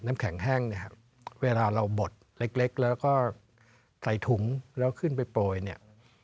น้ำแข็งแห้งเนี่ยเวลาเราบดเล็กแล้วก็ใส่ถุงแล้วขึ้นไปโปรยเนี่ย